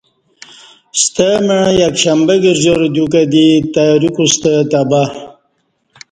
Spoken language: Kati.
ستمع یک شنبہ گرجار دیوکہ دی تیاری کوستہ تہ بہ